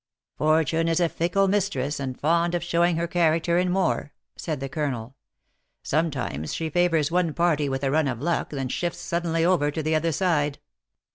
" Fortune is a fickle mistress, and fond of showing her character in war," said the colonel. " Sometimes she favors one party with a run of luck, then shifts suddenly over to the other side.